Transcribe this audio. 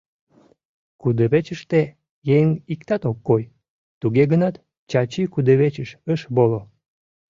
Кудывечыште еҥ иктат ок кой, туге гынат, Чачи кудывечыш ыш воло.